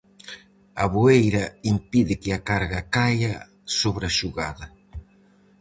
A boeira impide que a carga caia sobre a xugada.